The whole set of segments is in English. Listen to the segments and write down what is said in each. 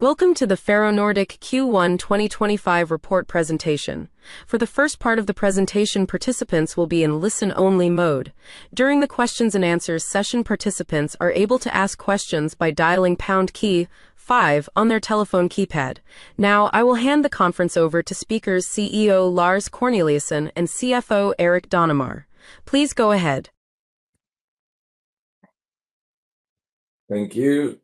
Welcome to the Ferronordic Q1 2025 Report Presentation. For the first part of the presentation, participants will be in listen-only mode. During the Q&A session, participants are able to ask questions by dialing pound key five on their telephone keypad. Now, I will hand the conference over to CEO Lars Corneliusson and CFO Erik Danemar. Please go ahead. Thank you.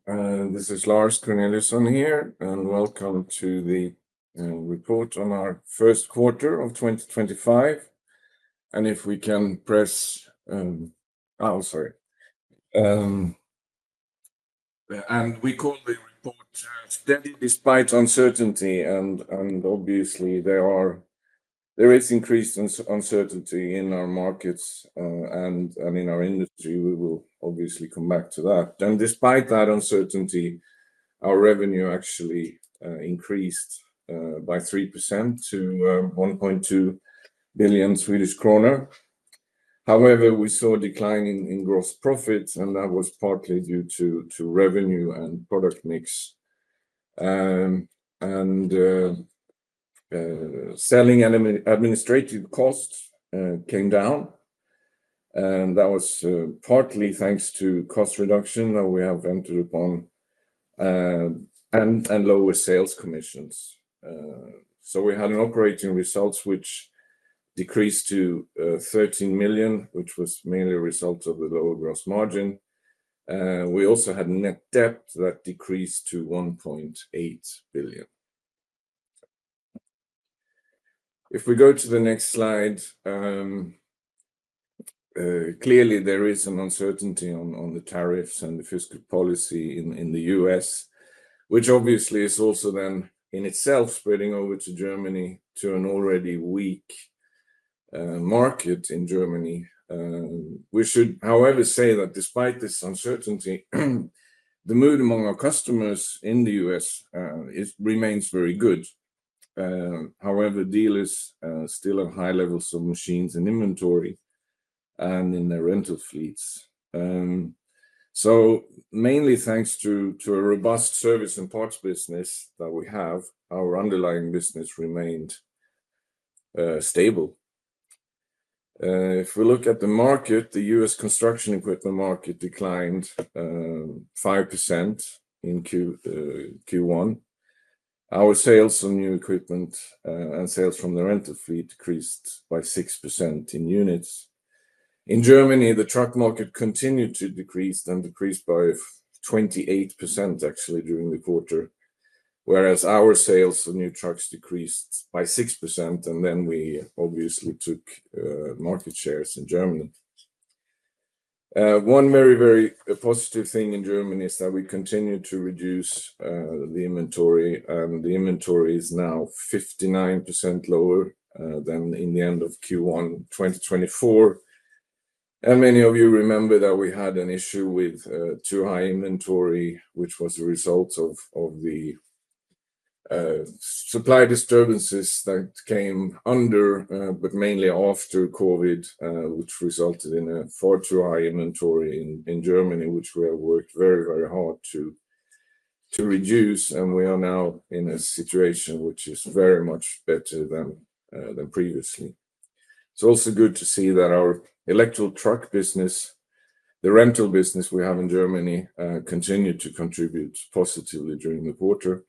This is Lars Corneliusson here, and welcome to the report on our first quarter of 2025. If we can press—oh, sorry. We call the report "Steady Despite Uncertainty." Obviously, there is increased uncertainty in our markets and in our industry. We will obviously come back to that. Despite that uncertainty, our revenue actually increased by 3% to 1.2 billion Swedish kronor. However, we saw a decline in gross profits, and that was partly due to revenue and product mix. Selling and administrative costs came down, and that was partly thanks to cost reduction that we have entered upon and lower sales commissions. We had operating results, which decreased to 13 million, which was mainly a result of the lower gross margin. We also had net debt that decreased to 1.8 billion. If we go to the next slide, clearly, there is an uncertainty on the tariffs and the fiscal policy in the US, which obviously is also then in itself spreading over to Germany, to an already weak market in Germany. We should, however, say that despite this uncertainty, the mood among our customers in the US remains very good. However, dealers still have high levels of machines and inventory and in their rental fleets. Mainly thanks to a robust service and parts business that we have, our underlying business remained stable. If we look at the market, the US construction equipment market declined 5% in Q1. Our sales on new equipment and sales from the rental fleet decreased by 6% in units. In Germany, the truck market continued to decrease and decreased by 28% actually during the quarter, whereas our sales of new trucks decreased by 6%. We obviously took market shares in Germany. One very, very positive thing in Germany is that we continue to reduce the inventory. The inventory is now 59% lower than at the end of Q1 2024. Many of you remember that we had an issue with too high inventory, which was the result of the supply disturbances that came under, but mainly after COVID, which resulted in a far too high inventory in Germany, which we have worked very, very hard to reduce. We are now in a situation which is very much better than previously. It is also good to see that our electrical truck business, the rental business we have in Germany, continued to contribute positively during the quarter.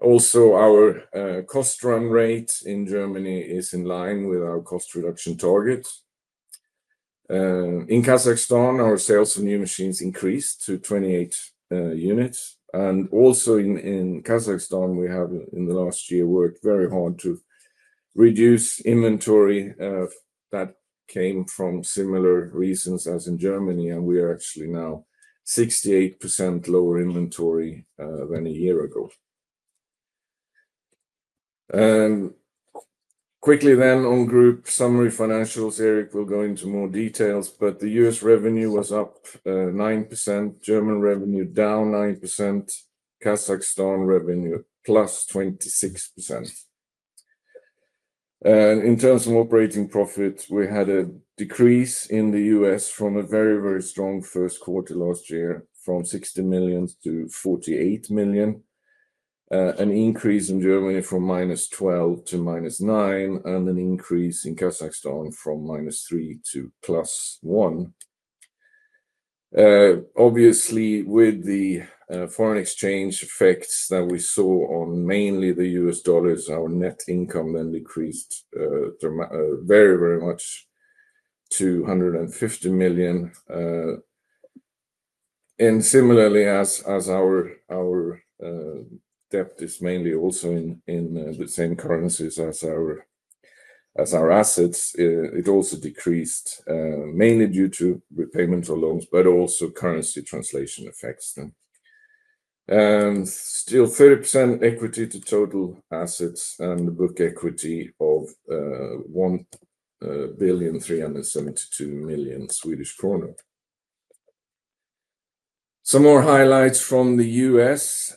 Also, our cost run rate in Germany is in line with our cost reduction target. In Kazakhstan, our sales of new machines increased to 28 units. Also in Kazakhstan, we have in the last year worked very hard to reduce inventory that came from similar reasons as in Germany. We are actually now 68% lower inventory than a year ago. Quickly then, on group summary financials, Erik will go into more details, but the US revenue was up 9%, German revenue -9%, Kazakhstan revenue +26%. In terms of operating profits, we had a decrease in the US from a very, very strong first quarter last year from 60 million to 48 million, an increase in Germany from -12 million to -9 million, and an increase in Kazakhstan from -3 million to +1 million. Obviously, with the foreign exchange effects that we saw on mainly the US dollars, our net income then decreased very, very much to 150 million. Similarly, as our debt is mainly also in the same currencies as our assets, it also decreased mainly due to repayment of loans, but also currency translation effects. Still, 30% equity to total assets and the book equity of 1.372 billion. Some more highlights from the U.S.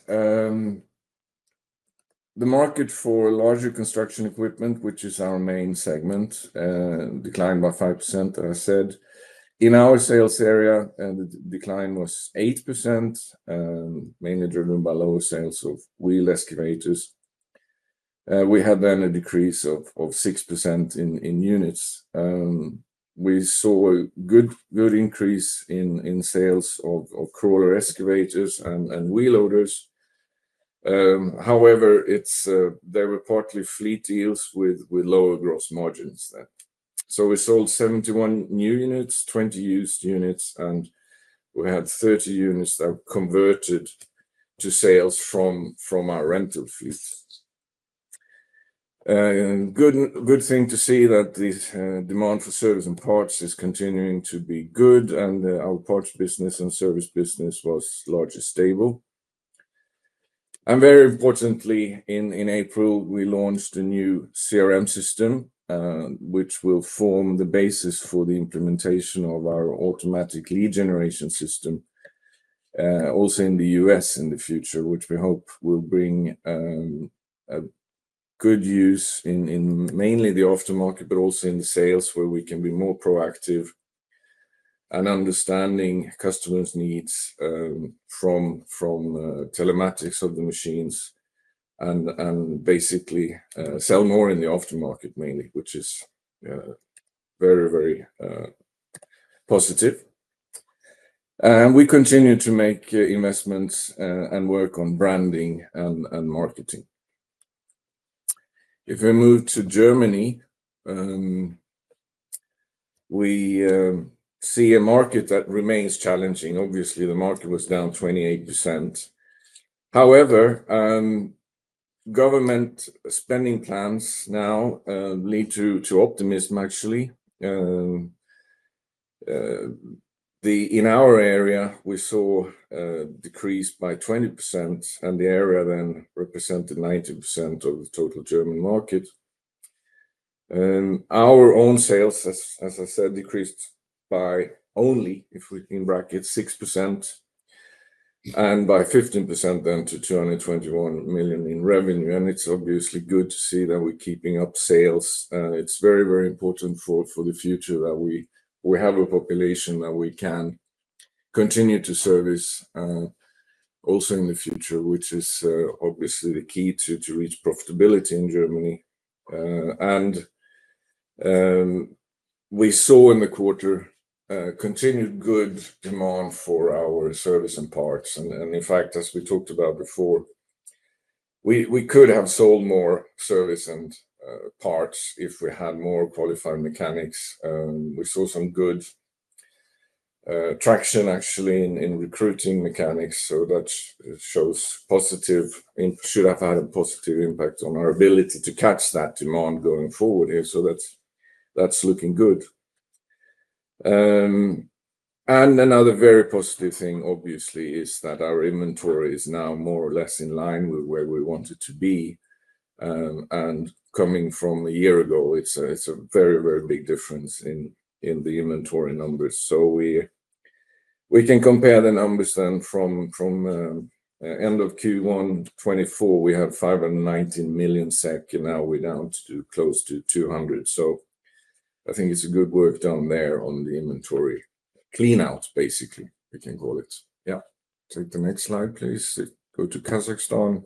The market for larger construction equipment, which is our main segment, declined by 5%, as I said. In our sales area, the decline was 8%, mainly driven by lower sales of wheel excavators. We had then a decrease of 6% in units. We saw a good increase in sales of crawler excavators and wheel loaders. However, there were partly fleet deals with lower gross margins. We sold 71 new units, 20 used units, and we had 30 units that converted to sales from our rental fleets. Good thing to see that the demand for service and parts is continuing to be good, and our parts business and service business was largely stable. Very importantly, in April, we launched a new CRM system, which will form the basis for the implementation of our automatic lead generation system, also in the US in the future, which we hope will bring good use in mainly the aftermarket, but also in the sales, where we can be more proactive and understand customers' needs from telematics of the machines and basically sell more in the aftermarket mainly, which is very, very positive. We continue to make investments and work on branding and marketing. If we move to Germany, we see a market that remains challenging. Obviously, the market was -28%. However, government spending plans now lead to optimism, actually. In our area, we saw a decrease by 20%, and the area then represented 90% of the total German market. Our own sales, as I said, decreased by only, if we can bracket, 6% and by 15% then to 221 million in revenue. It is obviously good to see that we are keeping up sales. It is very, very important for the future that we have a population that we can continue to service also in the future, which is obviously the key to reach profitability in Germany. We saw in the quarter continued good demand for our service and parts. In fact, as we talked about before, we could have sold more service and parts if we had more qualified mechanics. We saw some good traction, actually, in recruiting mechanics. That shows positive, should have had a positive impact on our ability to catch that demand going forward here. That is looking good. Another very positive thing, obviously, is that our inventory is now more or less in line with where we want it to be. Coming from a year ago, it is a very, very big difference in the inventory numbers. We can compare the numbers then from end of Q1 2024, we had 519 million SEK, and now we are down to close to 200 million. I think it is good work done there on the inventory clean out, basically, we can call it. Yeah. Take the next slide, please. Go to Kazakhstan.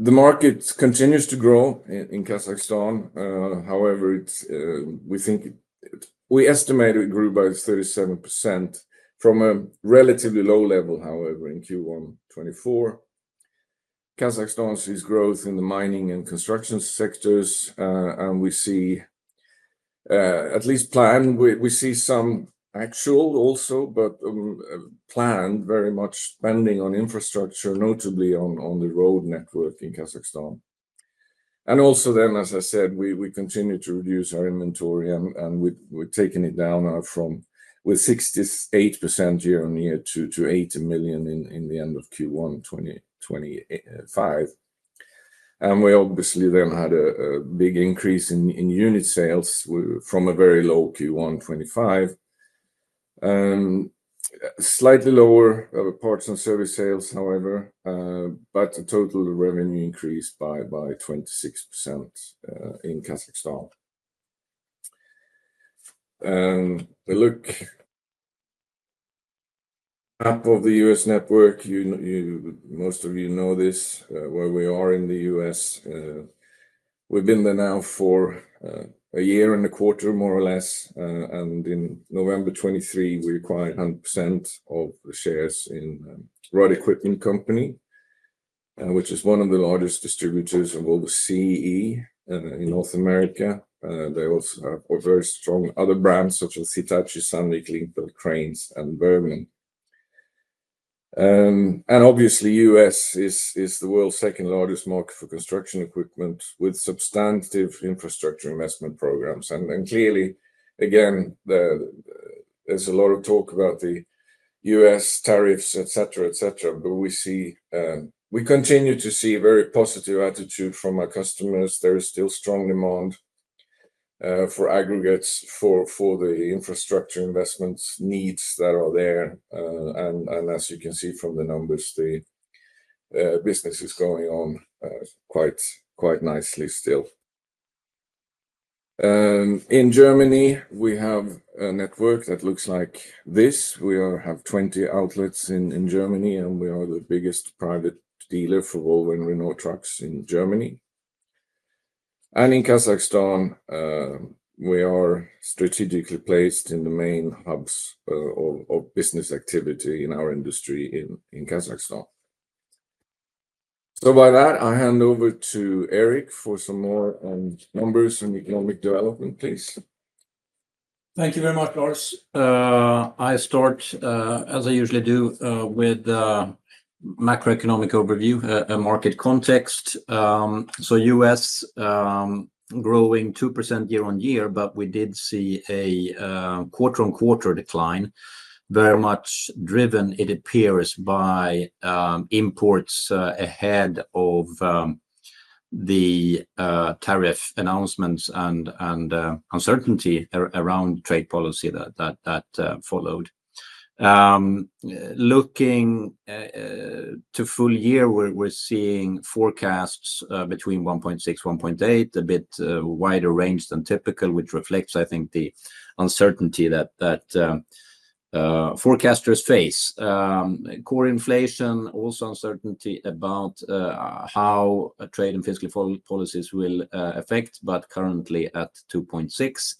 The market continues to grow in Kazakhstan. However, we estimate it grew by 37% from a relatively low level, however, in Q1 2024. Kazakhstan sees growth in the mining and construction sectors, and we see at least planned. We see some actual also, but planned very much spending on infrastructure, notably on the road network in Kazakhstan. Also, as I said, we continue to reduce our inventory, and we are taking it down from 68% year-on-year to 80 million in the end of Q1 2025. We obviously then had a big increase in unit sales from a very low Q1 2024. Slightly lower parts and service sales, however, but total revenue increased by 26% in Kazakhstan. The look up of the U.S. network, most of you know this, where we are in the U.S. We have been there now for a year and a quarter, more or less. In November 2023, we acquired 100% of the shares in Rudd Equipment Company, which is one of the largest distributors of all the CE in North America. They also have very strong other brands such as Hitachi, Sandvik, Link-Belt Cranes, and Bergmann. Obviously, the U.S. is the world's second largest market for construction equipment with substantive infrastructure investment programs. Clearly, again, there's a lot of talk about the U.S. tariffs, etc., etc. We continue to see a very positive attitude from our customers. There is still strong demand for aggregates for the infrastructure investments needs that are there. As you can see from the numbers, the business is going on quite nicely still. In Germany, we have a network that looks like this. We have 20 outlets in Germany, and we are the biggest private dealer for Volvo and Renault Trucks in Germany. In Kazakhstan, we are strategically placed in the main hubs of business activity in our industry in Kazakhstan. By that, I hand over to Erik for some more numbers and economic development, please. Thank you very much, Lars. I start, as I usually do, with a macroeconomic overview, a market context. U.S. growing 2% year-on-year, but we did see a quarter-on-quarter decline very much driven, it appears, by imports ahead of the tariff announcements and uncertainty around trade policy that followed. Looking to full year, we are seeing forecasts between 1.6%-1.8%, a bit wider range than typical, which reflects, I think, the uncertainty that forecasters face. Core inflation, also uncertainty about how trade and fiscal policies will affect, but currently at 2.6%.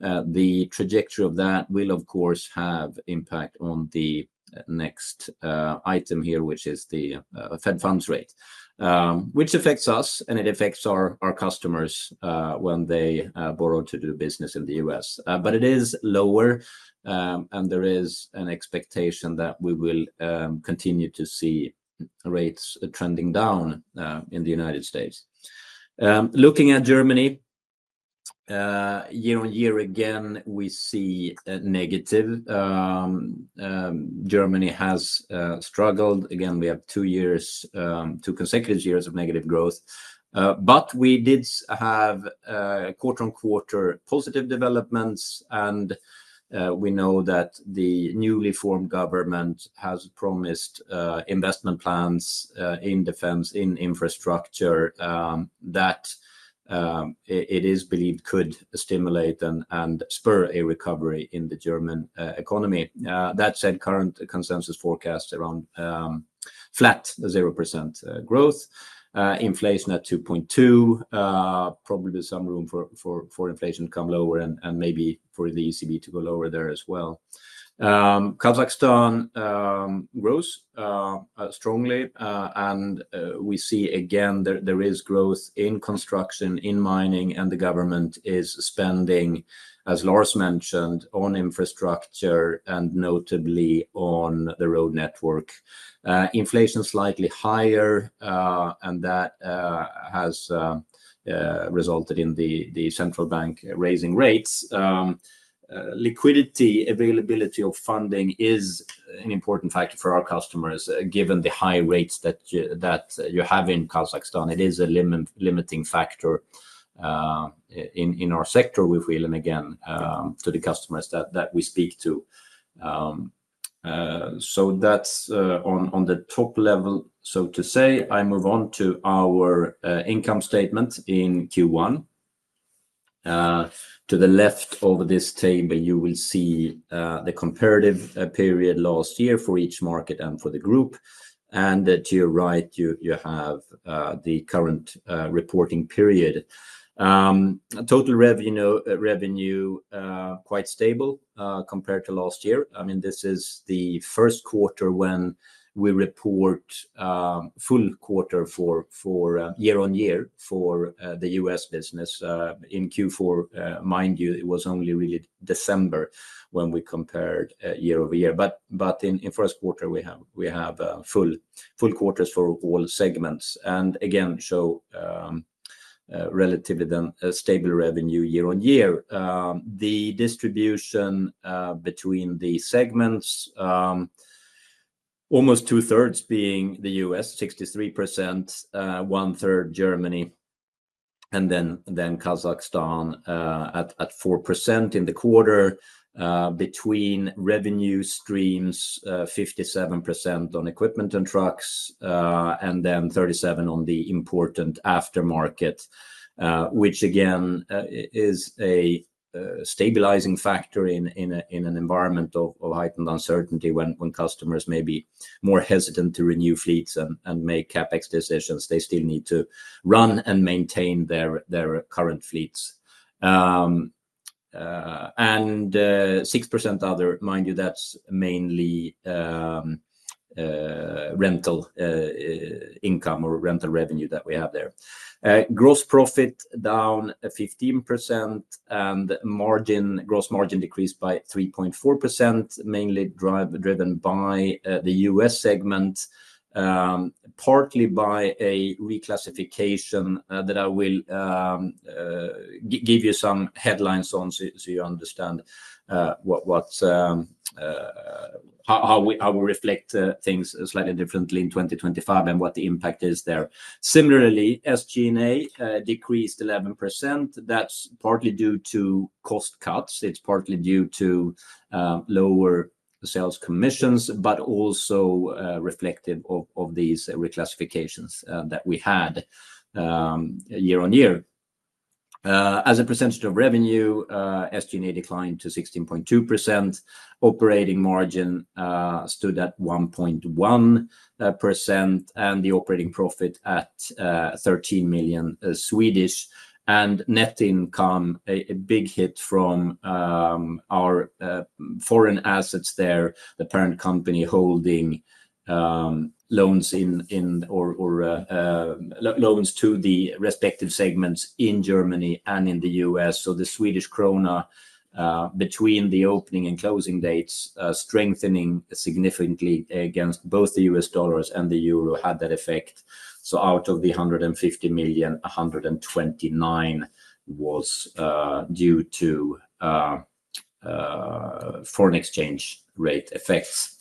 The trajectory of that will, of course, have impact on the next item here, which is the Fed Funds Rate, which affects us, and it affects our customers when they borrow to do business in the U.S. It is lower, and there is an expectation that we will continue to see rates trending down in the U.S. Looking at Germany, year-on-year again, we see negative. Germany has struggled. We have two years, two consecutive years of negative growth. We did have quarter-on-quarter positive developments, and we know that the newly formed government has promised investment plans in defense, in infrastructure, that it is believed could stimulate and spur a recovery in the German economy. That said, current consensus forecasts around flat 0% growth, inflation at 2.2%, probably some room for inflation to come lower and maybe for the ECB to go lower there as well. Kazakhstan grows strongly, and we see again there is growth in construction, in mining, and the government is spending, as Lars mentioned, on infrastructure and notably on the road network. Inflation slightly higher, and that has resulted in the central bank raising rates. Liquidity, availability of funding is an important factor for our customers given the high rates that you have in Kazakhstan. It is a limiting factor in our sector, we feel, and again, to the customers that we speak to. That is on the top level, so to say. I move on to our income statement in Q1. To the left of this table, you will see the comparative period last year for each market and for the group. To your right, you have the current reporting period. Total revenue quite stable compared to last year. I mean, this is the first quarter when we report full quarter for year-on-year for the U.S. business. In Q4, mind you, it was only really December when we compared year-over-year. In first quarter, we have full quarters for all segments. Again, show relatively then stable revenue year-on-year. The distribution between the segments, almost two-thirds being the US, 63%, one-third Germany, and then Kazakhstan at 4% in the quarter. Between revenue streams, 57% on equipment and trucks, and then 37% on the important aftermarket, which again is a stabilizing factor in an environment of heightened uncertainty when customers may be more hesitant to renew fleets and make CapEx decisions. They still need to run and maintain their current fleets. And 6% other, mind you, that's mainly rental income or rental revenue that we have there. Gross profit down 15% and gross margin decreased by 3.4%, mainly driven by the U.S. segment, partly by a reclassification that I will give you some headlines on so you understand how we reflect things slightly differently in 2025 and what the impact is there. Similarly, SG&A decreased 11%. That's partly due to cost cuts. It's partly due to lower sales commissions, but also reflective of these reclassifications that we had year-on-year. As a percentage of revenue, SG&A declined to 16.2%. Operating margin stood at 1.1% and the operating profit at 13 million. Net income, a big hit from our foreign assets there, the parent company holding loans to the respective segments in Germany and in the US. The SEK between the opening and closing dates strengthening significantly against both the U.S. dollars and the EUR had that effect. Out of the 150 million, 129 million was due to foreign exchange rate effects.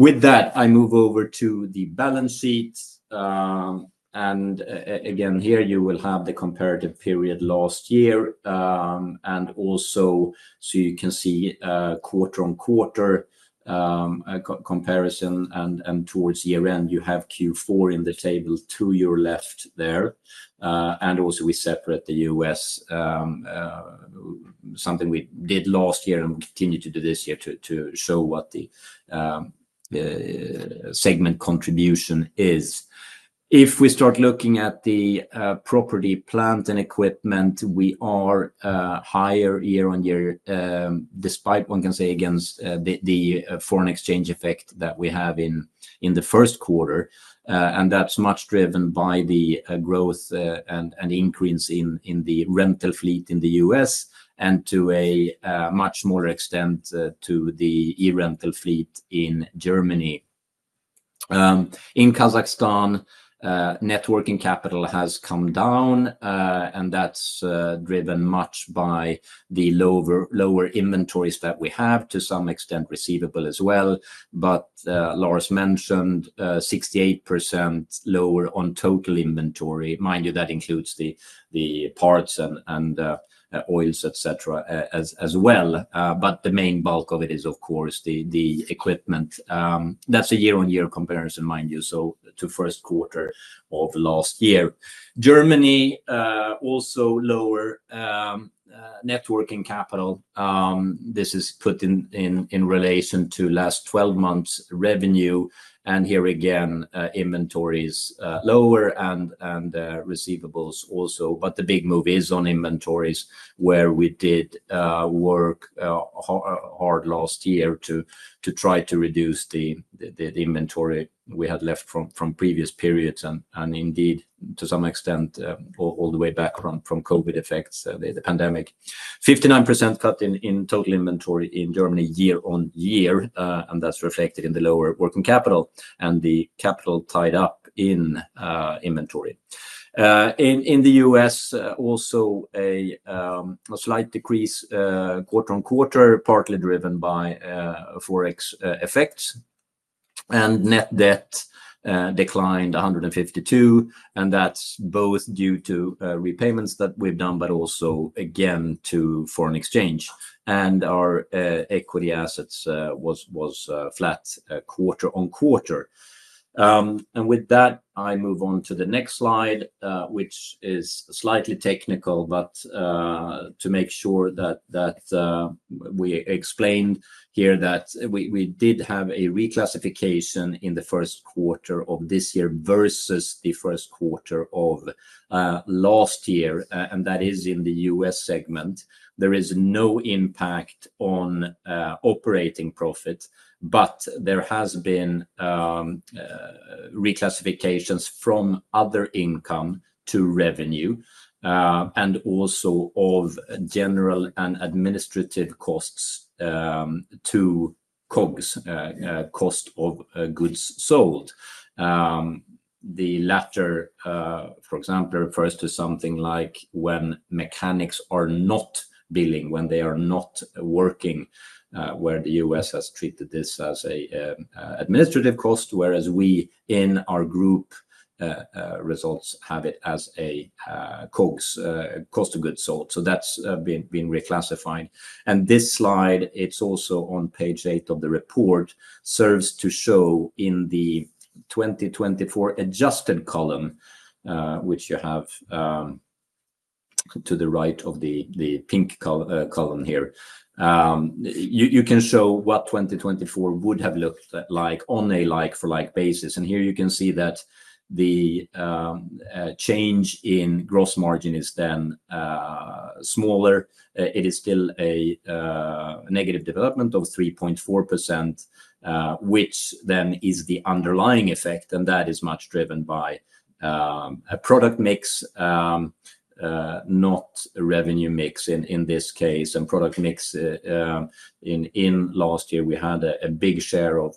With that, I move over to the balance sheet. Again, here you will have the comparative period last year. Also, you can see quarter-on-quarter comparison. Towards year end, you have Q4 in the table to your left there. Also, we separate the US, something we did last year and continue to do this year to show what the segment contribution is. If we start looking at the property, plant, and equipment, we are higher year-on-year despite, one can say, against the foreign exchange effect that we have in the first quarter. That is much driven by the growth and increase in the rental fleet in the U.S. and to a much smaller extent to the e-Rental fleet in Germany. In Kazakhstan, networking capital has come down, and that is driven much by the lower inventories that we have, to some extent receivable as well. Lars mentioned 68% lower on total inventory. Mind you, that includes the parts and oils, etc., as well. The main bulk of it is, of course, the equipment. That is a year-on-year comparison, mind you, so to first quarter of last year. Germany also lower networking capital. This is put in relation to last 12 months revenue. Here again, inventories lower and receivables also. The big move is on inventories where we did work hard last year to try to reduce the inventory we had left from previous periods and indeed to some extent all the way back from COVID effects, the pandemic. 59% cut in total inventory in Germany year-on-year, and that's reflected in the lower working capital and the capital tied up in inventory. In the US, also a slight decrease quarter-on-quarter, partly driven by forex effects. Net debt declined 152 million, and that's both due to repayments that we've done, but also again to foreign exchange. Our equity assets was flat quarter-on-quarter. With that, I move on to the next slide, which is slightly technical, but to make sure that we explain here that we did have a reclassification in the first quarter of this year versus the first quarter of last year, and that is in the U.S. segment. There is no impact on operating profit, but there have been reclassifications from other income to revenue and also of general and administrative costs to COGS, cost of goods sold. The latter, for example, refers to something like when mechanics are not billing, when they are not working, where the U.S. has treated this as an administrative cost, whereas we in our group results have it as a COGS, cost of goods sold. That has been reclassified. This slide, which is also on page eight of the report, serves to show in the 2024 adjusted column, which you have to the right of the pink column here, you can see what 2024 would have looked like on a like-for-like basis. Here you can see that the change in gross margin is then smaller. It is still a negative development of 3.4%, which then is the underlying effect, and that is much driven by a product mix, not revenue mix in this case. Product mix, in last year, we had a big share of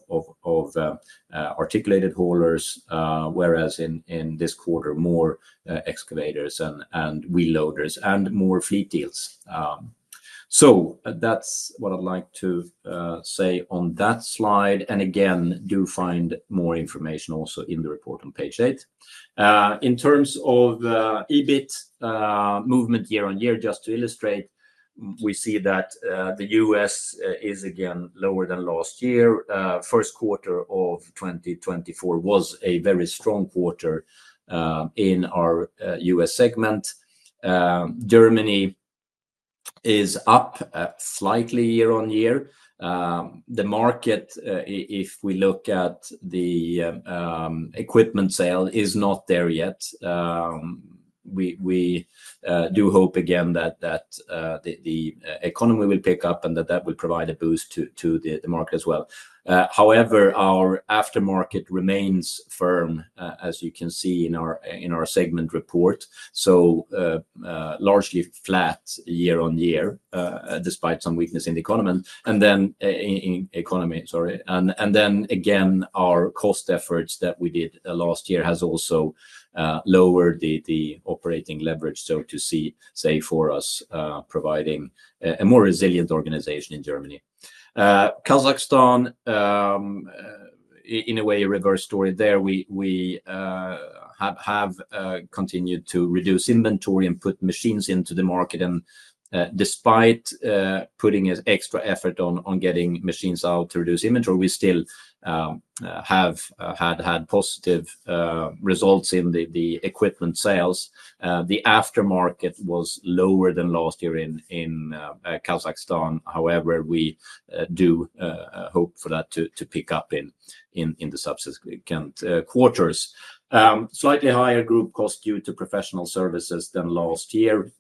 articulated haulers, whereas in this quarter, more excavators and wheel loaders and more fleet deals. That is what I would like to say on that slide. Again, do find more information also in the report on page eight. In terms of EBIT movement year-on-year, just to illustrate, we see that the U.S. is again lower than last year. First quarter of 2024 was a very strong quarter in our U.S. segment. Germany is up slightly year-on-year. The market, if we look at the equipment sale, is not there yet. We do hope again that the economy will pick up and that that will provide a boost to the market as well. However, our aftermarket remains firm, as you can see in our segment report, so largely flat year-on-year despite some weakness in the economy. Our cost efforts that we did last year have also lowered the operating leverage, so to see, say, for us, providing a more resilient organization in Germany. Kazakhstan, in a way, a reverse story there. We have continued to reduce inventory and put machines into the market. Despite putting extra effort on getting machines out to reduce inventory, we still have had positive results in the equipment sales. The aftermarket was lower than last year in Kazakhstan. However, we do hope for that to pick up in the subsequent quarters. Slightly higher group cost due to professional services than last year,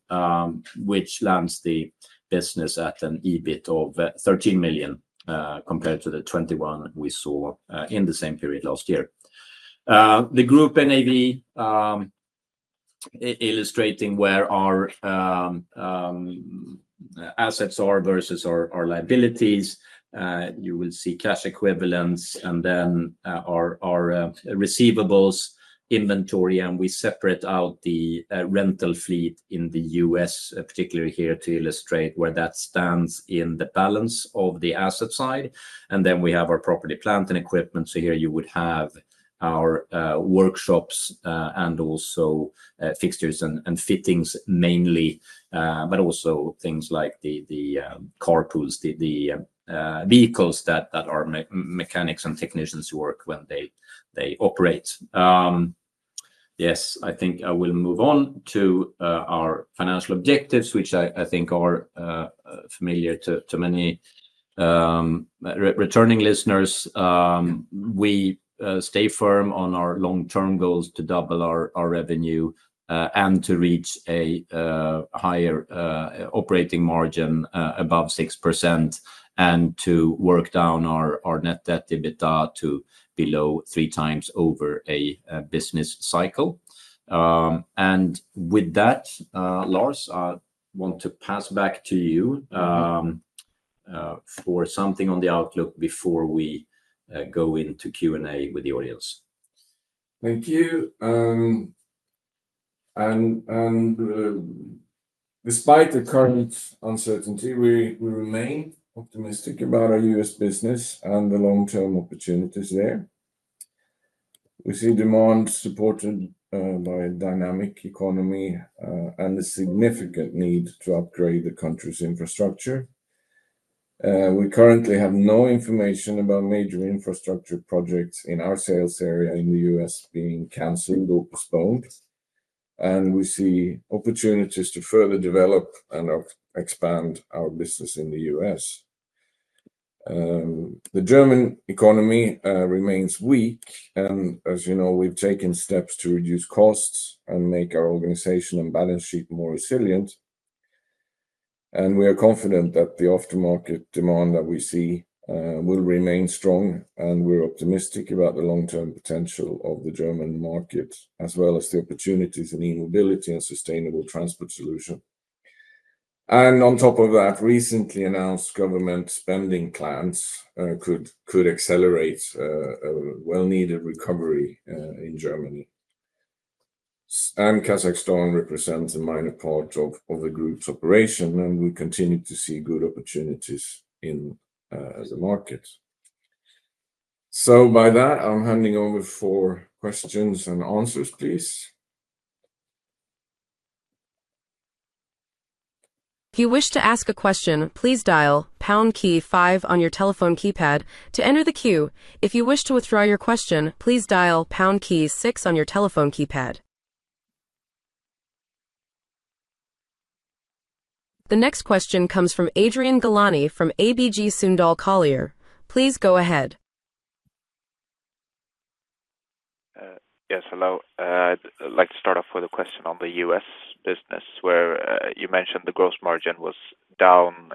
which lands the business at an EBIT of 13 million compared to the 21 million we saw in the same period last year. The group NAV illustrating where our assets are versus our liabilities. You will see cash equivalents and then our receivables, inventory, and we separate out the rental fleet in the US, particularly here to illustrate where that stands in the balance of the asset side. We have our property, plant, and equipment. Here you would have our workshops and also fixtures and fittings mainly, but also things like the carpools, the vehicles that our mechanics and technicians work when they operate. Yes, I think I will move on to our financial objectives, which I think are familiar to many returning listeners. We stay firm on our long-term goals to double our revenue and to reach a higher operating margin above 6% and to work down our net debt EBITDA to below three times over a business cycle. With that, Lars, I want to pass back to you for something on the outlook before we go into Q&A with the audience. Thank you. Despite the current uncertainty, we remain optimistic about our U.S. business and the long-term opportunities there. We see demand supported by a dynamic economy and the significant need to upgrade the country's infrastructure. We currently have no information about major infrastructure projects in our sales area in the U.S. being canceled or postponed. And we see opportunities to further develop and expand our business in the U.S. The German economy remains weak. And as you know, we've taken steps to reduce costs and make our organization and balance sheet more resilient. And we are confident that aftermarket demand that we see will remain strong and we're optimistic about the long-term potential of the German market as well as the opportunities in e-mobility and sustainable transport solution. And on top of that, recently announced government spending plans could accelerate a well-needed recovery in Germany. And Kazakhstan represents a minor part of the group's operation and we continue to see good opportunities in the market. So by that, I'm handling over for Q&A, please. If you wish to ask a question, please dial pound key five on your telephone keypad to enter the queue. If you wish to withdraw your question, please dial pound key six on your telephone keypad. The next question comes from Adrian Gilani from ABG Sundal Collier. Please go ahead. Yes, hello. I'd like to start off with a question on the U.S. business, where you mentioned the gross margin was down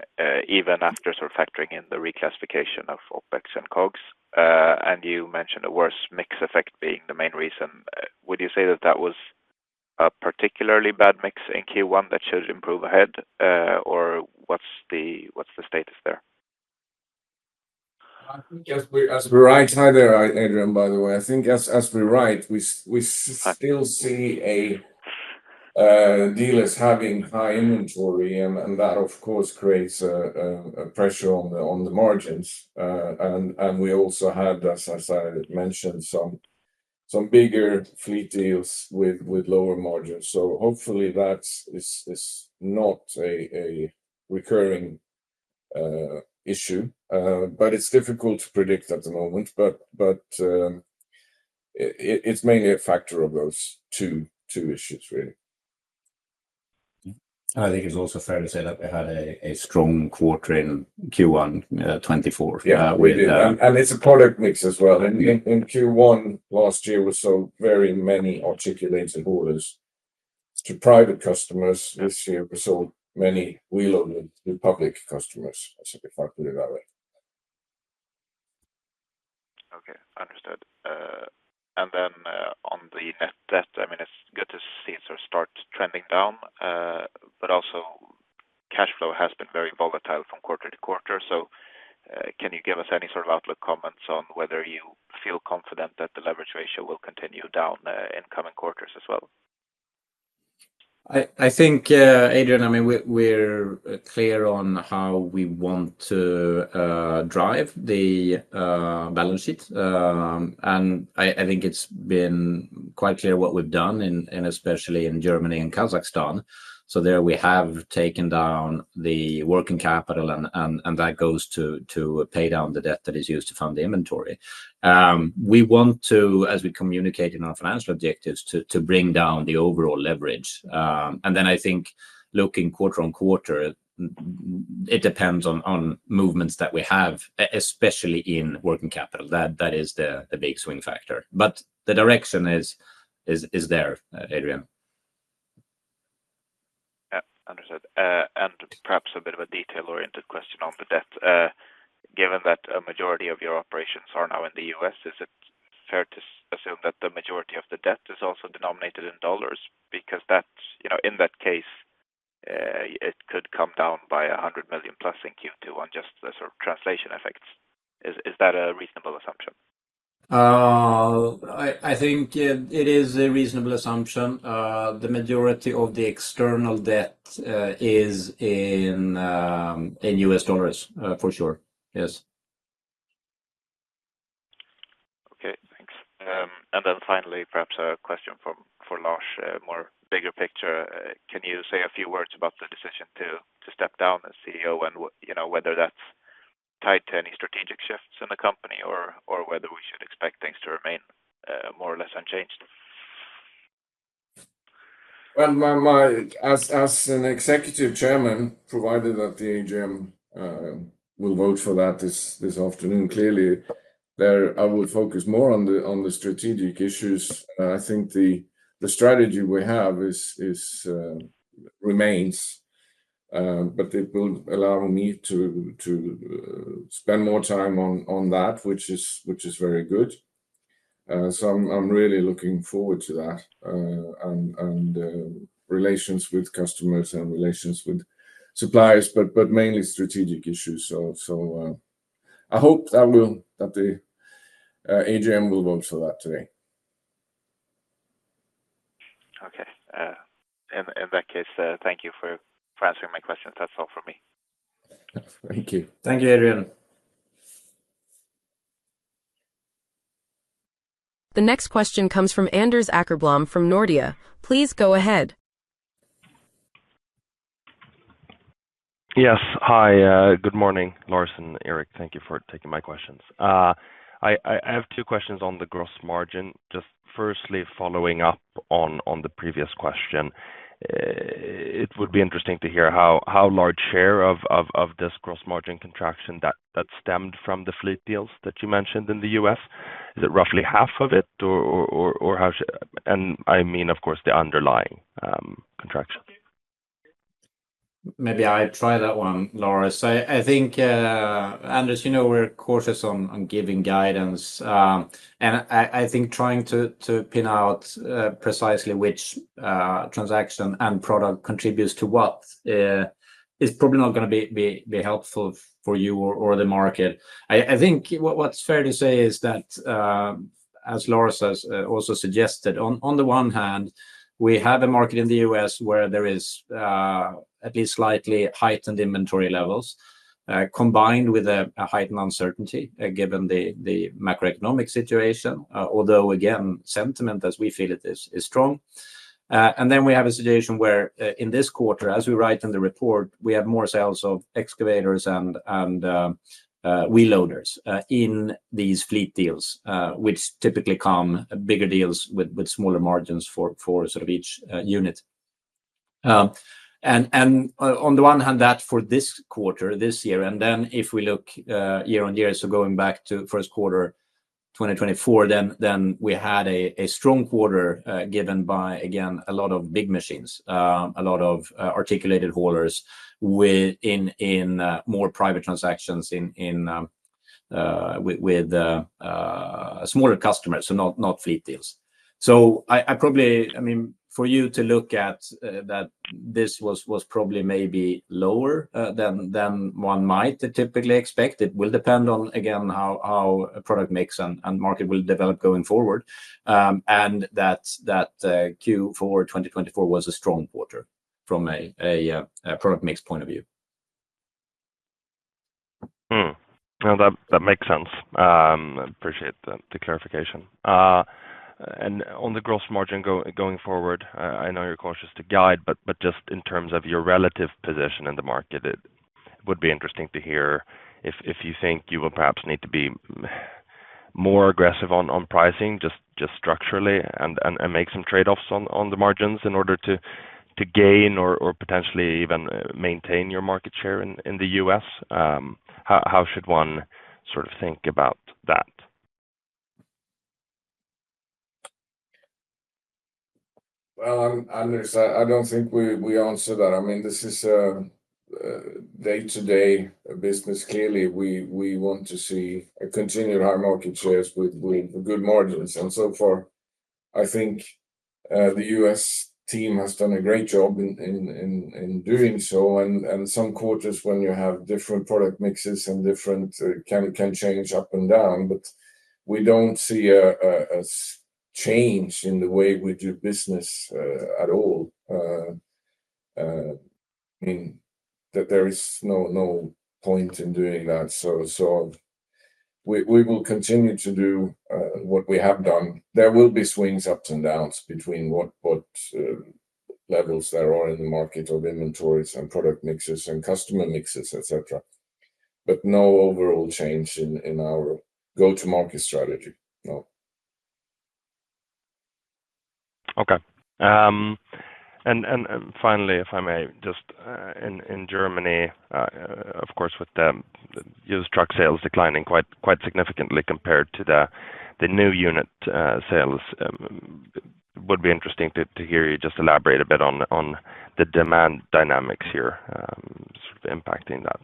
even after sort of factoring in the reclassification of OpEx and COGS. And you mentioned a worse mix effect being the main reason. Would you say that that was a particularly bad mix in Q1 that should improve ahead, or what's the status there? As we write, hi, there, Adrian, by the way. I think as we write, we still see dealers having high inventory, and that, of course, creates a pressure on the margins. We also had, as I mentioned, some bigger fleet deals with lower margins. Hopefully that is not a recurring issue, but it's difficult to predict at the moment. It is mainly a factor of those two issues, really. I think it's also fair to say that we had a strong quarter in Q1 2024. It is a product mix as well. In Q1 last year, we saw very many articulated haulers to private customers. This year, we saw many wheel loaders to public customers, if I put it that way. Okay, understood. On the net debt, I mean, it's good to see it sort of start trending down, but also cash flow has been very volatile from quarter-to-quarter. Can you give us any sort of outlook comments on whether you feel confident that the leverage ratio will continue down in coming quarters as well? I think, Adrian, I mean, we're clear on how we want to drive the balance sheet. I think it's been quite clear what we've done, and especially in Germany and Kazakhstan. There we have taken down the working capital, and that goes to pay down the debt that is used to fund the inventory. We want to, as we communicate in our financial objectives, bring down the overall leverage. I think looking quarter on quarter, it depends on movements that we have, especially in working capital. That is the big swing factor. The direction is there, Adrian. Yeah, understood. Perhaps a bit of a detail-oriented question on the debt. Given that a majority of your operations are now in the U.S., is it fair to assume that the majority of the debt is also denominated in dollars? Because in that case, it could come down by $100 million plus in Q2 on just the sort of translation effects. Is that a reasonable assumption? I think it is a reasonable assumption. The majority of the external debt is in U.S. dollars, for sure. Yes. Okay, thanks. Finally, perhaps a question for Lars, more bigger picture. Can you say a few words about the decision to step down as CEO and whether that's tied to any strategic shifts in the company or whether we should expect things to remain more or less unchanged? As an Executive Chairman, provided that the AGM will vote for that this afternoon, clearly, I would focus more on the strategic issues. I think the strategy we have remains, but it will allow me to spend more time on that, which is very good. I am really looking forward to that and relations with customers and relations with suppliers, but mainly strategic issues. I hope that the AGM will vote for that today. Okay. In that case, thank you for answering my questions. That is all from me. Thank you. Thank you, Adrian. The next question comes from Anders Åkerblom from Nordea. Please go ahead. Yes, hi. Good morning, Lars and Erik. Thank you for taking my questions. I have two questions on the gross margin. Just firstly, following up on the previous question, it would be interesting to hear how large a share of this gross margin contraction that stemmed from the fleet deals that you mentioned in the US, is it roughly half of it, or how should, and I mean, of course, the underlying contraction? Maybe I try that one, Lars. I think, Anders, you know we're cautious on giving guidance. I think trying to pin out precisely which transaction and product contributes to what is probably not going to be helpful for you or the market. I think what's fair to say is that, as Lars has also suggested, on the one hand, we have a market in the U.S. where there is at least slightly heightened inventory levels combined with a heightened uncertainty given the macroeconomic situation, although, again, sentiment, as we feel it is, is strong. We have a situation where in this quarter, as we write in the report, we have more sales of excavators and wheel loaders in these fleet deals, which typically come as bigger deals with smaller margins for each unit. On the one hand, that is for this quarter, this year, and then if we look year-on-year, going back to first quarter 2024, we had a strong quarter given by, again, a lot of big machines, a lot of articulated haulers in more private transactions with smaller customers, so not fleet deals. I probably, I mean, for you to look at that, this was probably maybe lower than one might typically expect. It will depend on, again, how product mix and market will develop going forward. Q4 2024 was a strong quarter from a product mix point of view. That makes sense. I appreciate the clarification. On the gross margin going forward, I know you're cautious to guide, but just in terms of your relative position in the market, it would be interesting to hear if you think you will perhaps need to be more aggressive on pricing just structurally and make some trade-offs on the margins in order to gain or potentially even maintain your market share in the US. How should one sort of think ab out that? Anders, I do not think we answered that. I mean, this is a day-to-day business. Clearly, we want to see continued high market shares with good margins. So far, I think the U.S. team has done a great job in doing so. Some quarters when you have different product mixes and different can change up and down, but we do not see a change in the way we do business at all. I mean, there is no point in doing that. We will continue to do what we have done. There will be swings, ups and downs between what levels there are in the market of inventories and product mixes and customer mixes, etc. No overall change in our go-to-market strategy. No. Okay. Finally, if I may, just in Germany, of course, with the used truck sales declining quite significantly compared to the new unit sales, it would be interesting to hear you just elaborate a bit on the demand dynamics here sort of impacting that.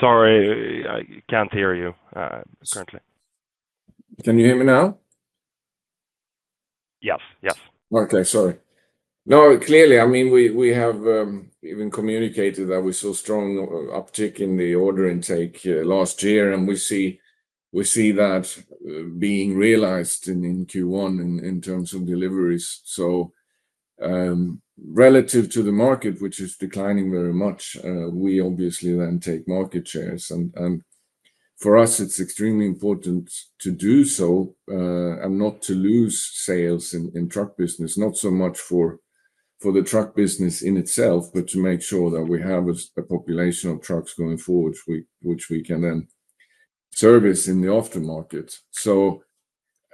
I mean, sorry, I cannot hear you currently. Can you hear me now? Yes, yes. Okay, sorry. No, clearly, I mean, we have even communicated that we saw strong uptick in the order intake last year, and we see that being realized in Q1 in terms of deliveries. Relative to the market, which is declining very much, we obviously then take market shares. For us, it is extremely important to do so and not to lose sales in truck business, not so much for the truck business in itself, but to make sure that we have a population of trucks going forward, which we can then service in the aftermarket.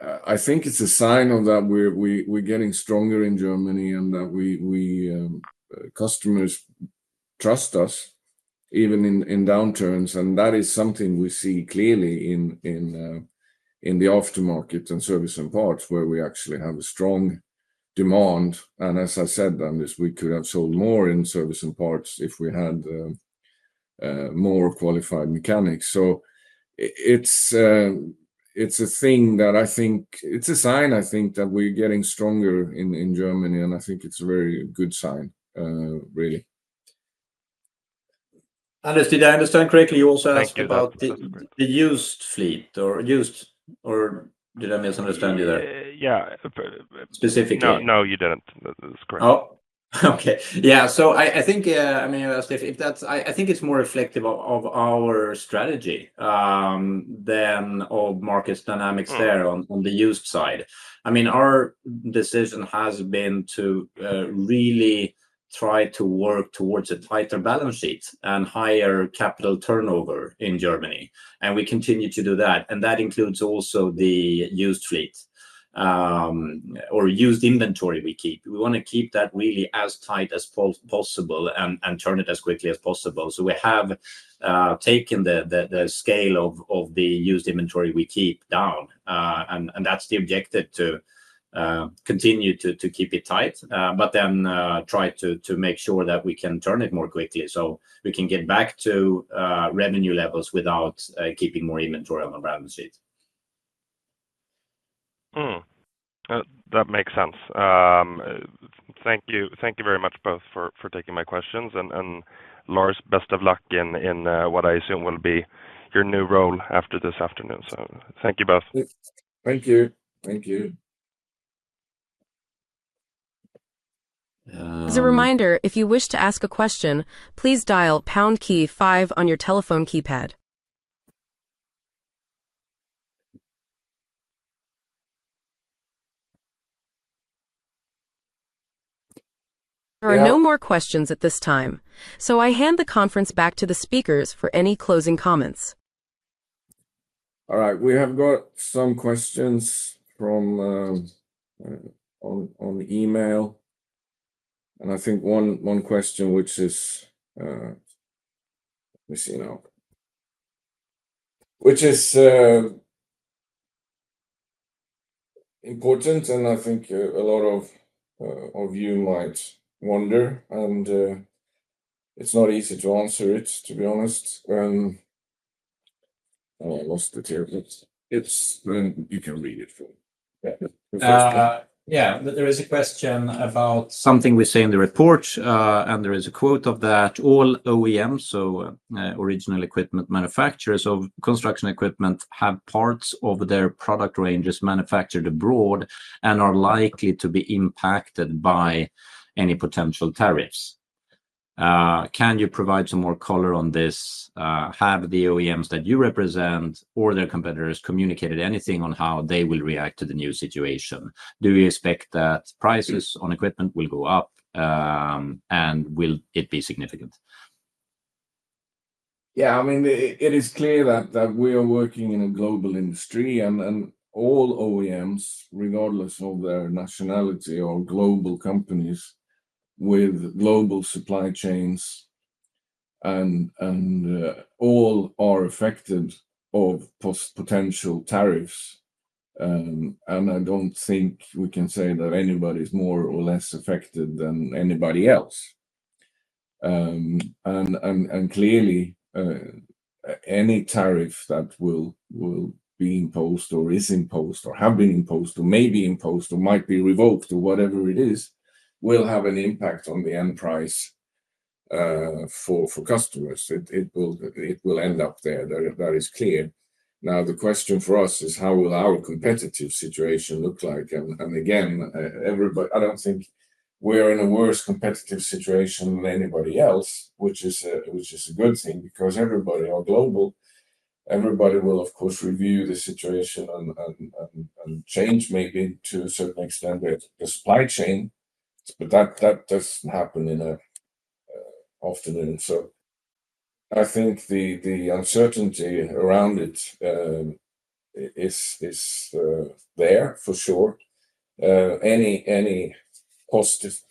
I think it is a sign that we are getting stronger in Germany and that customers trust us even in downturns. That is something we see clearly in the aftermarket and service and parts where we actually have a strong demand. As I said, Anders, we could have sold more in service and parts if we had more qualified mechanics. It is a thing that I think is a sign, I think, that we are getting stronger in Germany, and I think it is a very good sign, really. Anders, did I understand correctly? You also asked about the used fleet or used, or did I misunderstand you there? Yeah. Specifically. No, you did not. That is correct. Okay. Yeah. I think it is more reflective of our strategy than all market dynamics there on the used side. Our decision has been to really try to work towards a tighter balance sheet and higher capital turnover in Germany. We continue to do that. That includes also the used fleet or used inventory we keep. We want to keep that really as tight as possible and turn it as quickly as possible. We have taken the scale of the used inventory we keep down, and that is the objective to continue to keep it tight, but then try to make sure that we can turn it more quickly so we can get back to revenue levels without keeping more inventory on the balance sheet. That makes sense. Thank you very much both for taking my questions. Lars, best of luck in what I assume will be your new role after this afternoon. Thank you both. Thank you. Thank you. As a reminder, if you wish to ask a question, please dial pound key five on your telephone keypad. There are no more questions at this time. I hand the conference back to the speakers for any closing comments. All right. We have got some questions on the email. I think one question, which is, let me see now, which is important, and I think a lot of you might wonder, and it is not easy to answer it, to be honest. I lost it here. You can read it for me. Yeah, there is a question about something we say in the report, and there is a quote of that. All OEMs, so original equipment manufacturers of construction equipment, have parts of their product ranges manufactured abroad and are likely to be impacted by any potential tariffs. Can you provide some more color on this? Have the OEMs that you represent or their competitors communicated anything on how they will react to the new situation? Do you expect that prices on equipment will go up, and will it be significant? Yeah, I mean, it is clear that we are working in a global industry, and all OEMs, regardless of their nationality, are global companies with global supply chains, and all are affected by potential tariffs. I do not think we can say that anybody is more or less affected than anybody else. Clearly, any tariff that will be imposed or is imposed or have been imposed or may be imposed or might be revoked or whatever it is will have an impact on the end price for customers. It will end up there. That is clear. Now, the question for us is, how will our competitive situation look like? Again, I do not think we are in a worse competitive situation than anybody else, which is a good thing because everybody is global. Everybody will, of course, review the situation and change, maybe to a certain extent, the supply chain. That does not happen often. I think the uncertainty around it is there for sure. Any positive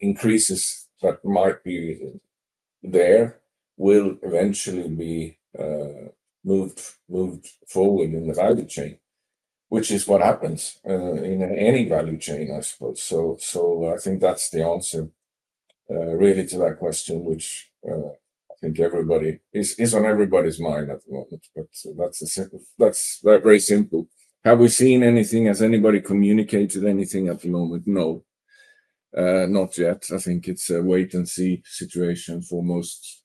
increases that might be there will eventually be moved forward in the value chain, which is what happens in any value chain, I suppose. I think that is the answer really to that question, which I think is on everybody's mind at the moment. That is very simple. Have we seen anything? Has anybody communicated anything at the moment? No. Not yet. I think it is a wait-and-see situation for most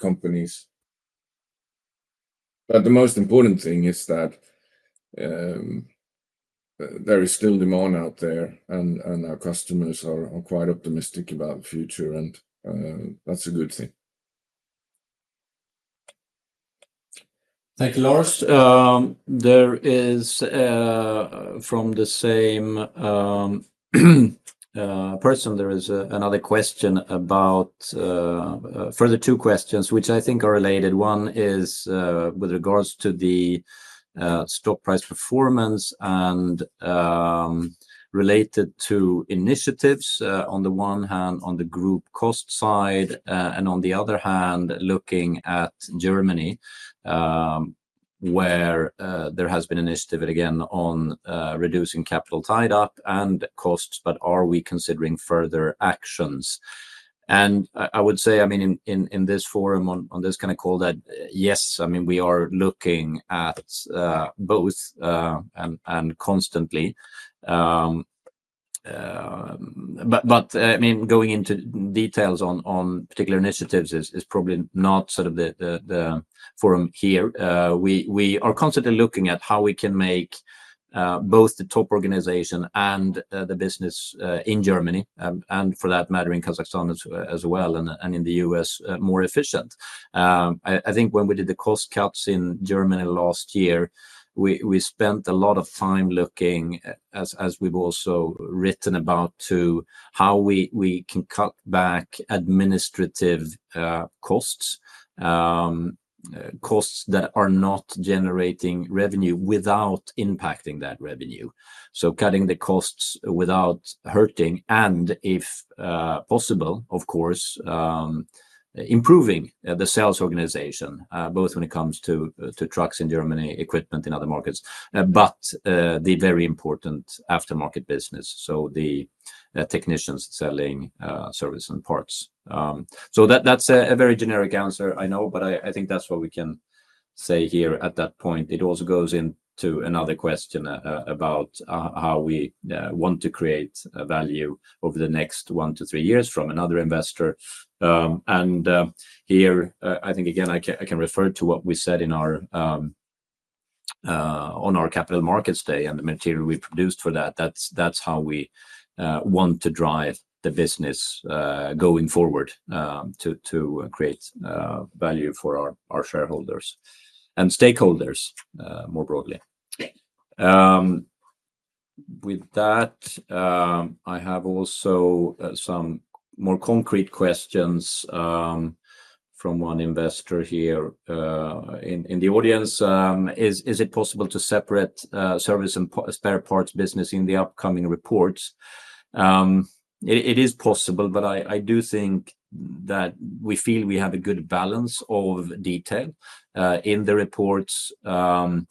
companies. The most important thing is that there is still demand out there, and our customers are quite optimistic about the future, and that is a good thing. Thank you, Lars. From the same person, there is another question about further two questions, which I think are related. One is with regards to the stock price performance and related to initiatives on the one hand, on the group cost side, and on the other hand, looking at Germany where there has been initiative again on reducing capital tied up and costs, are we considering further actions? I would say, I mean, in this forum, on this kind of call, yes, I mean, we are looking at both and constantly. I mean, going into details on particular initiatives is probably not sort of the forum here. We are constantly looking at how we can make both the top organization and the business in Germany, and for that matter, in Kazakhstan as well, and in the US, more efficient. I think when we did the cost cuts in Germany last year, we spent a lot of time looking, as we've also written about, to how we can cut back administrative costs, costs that are not generating revenue without impacting that revenue. Cutting the costs without hurting, and if possible, of course, improving the sales organization, both when it comes to trucks in Germany, equipment in other markets, but the very important aftermarket business, so the technicians selling service and parts. That is a very generic answer, I know, but I think that is what we can say here at that point. It also goes into another question about how we want to create value over the next one to three years from another investor. Here, I think, again, I can refer to what we said on our capital markets day and the material we produced for that. That's how we want to drive the business going forward to create value for our shareholders and stakeholders more broadly. With that, I have also some more concrete questions from one investor here in the audience. Is it possible to separate service and spare parts business in the upcoming reports? It is possible, but I do think that we feel we have a good balance of detail in the reports and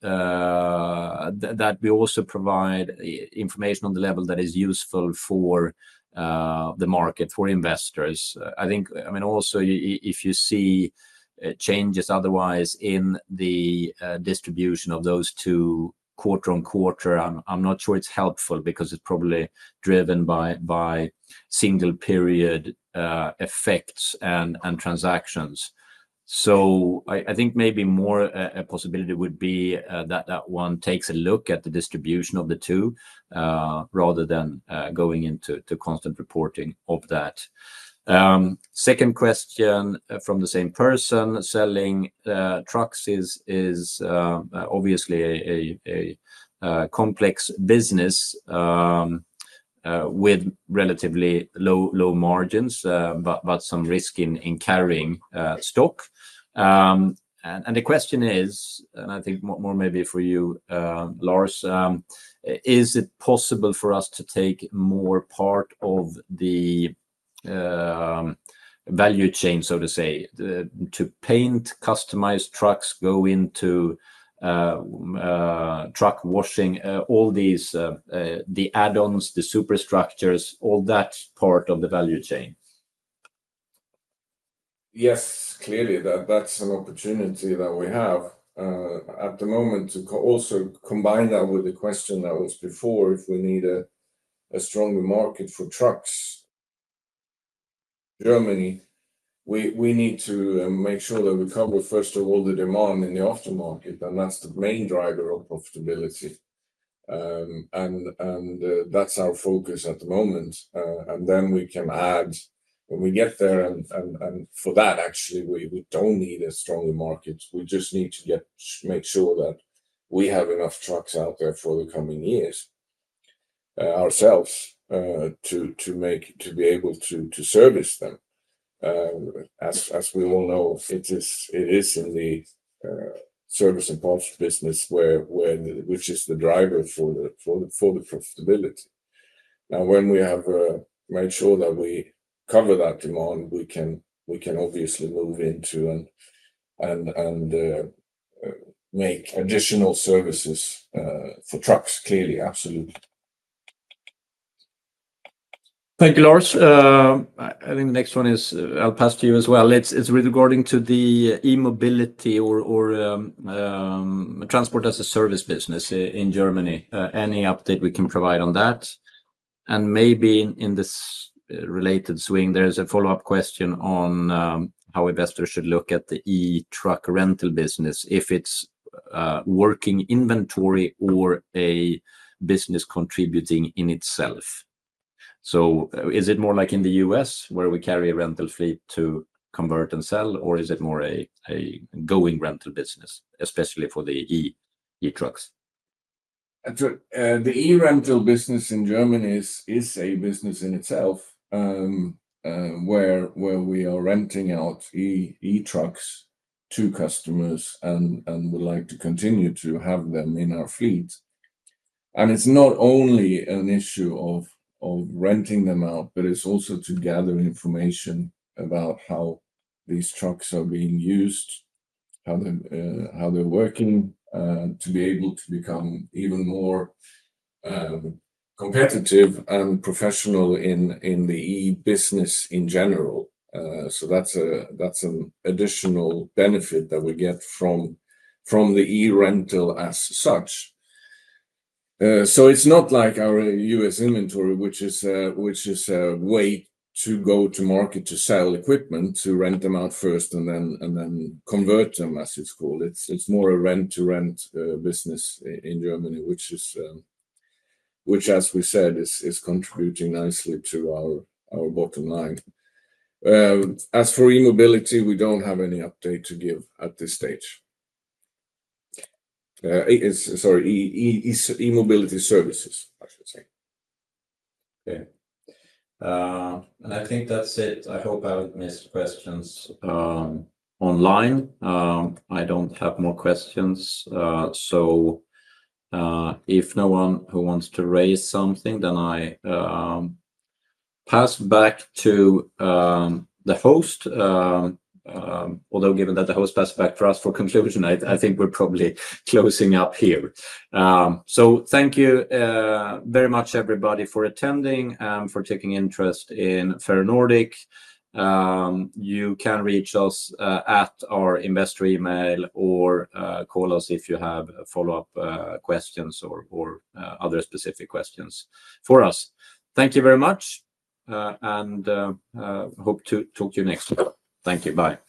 that we also provide information on the level that is useful for the market, for investors. I think, I mean, also if you see changes otherwise in the distribution of those two quarter on quarter, I'm not sure it's helpful because it's probably driven by single period effects and transactions. I think maybe more a possibility would be that one takes a look at the distribution of the two rather than going into constant reporting of that. Second question from the same person, selling trucks is obviously a complex business with relatively low margins, but some risk in carrying stock. The question is, and I think more maybe for you, Lars, is it possible for us to take more part of the value chain, so to say, to paint customized trucks, go into truck washing, all the add-ons, the superstructures, all that part of the value chain? Yes, clearly. That is an opportunity that we have at the moment to also combine that with the question that was before if we need a stronger market for trucks in Germany. We need to make sure that we cover, first of all, the demand in the aftermarket, and that is the main driver of profitability. That is our focus at the moment. Then we can add when we get there. For that, actually, we do not need a stronger market. We just need to make sure that we have enough trucks out there for the coming years ourselves to be able to service them. As we all know, it is in the service and parts business, which is the driver for the profitability. Now, when we have made sure that we cover that demand, we can obviously move into and make additional services for trucks, clearly, absolutely. Thank you, Lars. I think the next one is I will pass to you as well. It is regarding the e-mobility or transport as a service business in Germany. Any update we can provide on that? Maybe in this related swing, there is a follow-up question on how investors should look at the e-truck rental business, if it is working inventory or a business contributing in itself. Is it more like in the U.S. where we carry a rental fleet to convert and sell, or is it more a going rental business, especially for the e-trucks? The e-Rental business in Germany is a business in itself where we are renting out e-trucks to customers and would like to continue to have them in our fleet. It is not only an issue of renting them out, but it is also to gather information about how these trucks are being used, how they are working, to be able to become even more competitive and professional in the e-business in general. That is an additional benefit that we get from the e-Rental as such. It is not like our U.S. inventory, which is a way to go to market to sell equipment, to rent them out first and then convert them, as it is called. It's more a rent-to-rent business in Germany, which, as we said, is contributing nicely to our bottom line. As for e-mobility, we don't have any update to give at this stage. Sorry, e-mobility services, I should say. Okay. I think that's it. I hope I haven't missed questions online. I don't have more questions. If no one wants to raise something, then I pass back to the host. Although given that the host passed back to us for conclusion, I think we're probably closing up here. Thank you very much, everybody, for attending and for taking interest in Ferronordic. You can reach us at our investor email or call us if you have follow-up questions or other specific questions for us. Thank you very much, and hope to talk to you next week. Thank you. Bye.